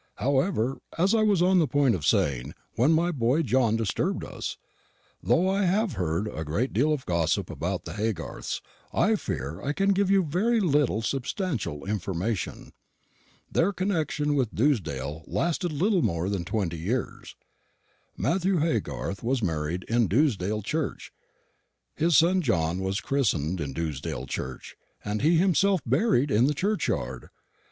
However, as I was on the point of saying when my boy John disturbed us, though I have heard a great deal of gossip about the Haygarths, I fear I can give you very little substantial information. Their connection with Dewsdale lasted little more than twenty years. Matthew Haygarth was married in Dewsdale church, his son John was christened in Dewsdale church, and he himself is buried in the churchyard.